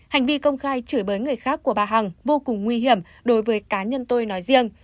hành vi công khai chửi bới người khác của bà hằng vô cùng nguy hiểm đối với cá nhân tôi nói riêng